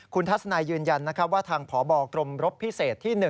คุณทัศนายยืนยันว่าทางพบกรมรบพิเศษที่๑